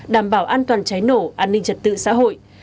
đảm bảo an toàn cháy nổ an ninh trật tự xã hội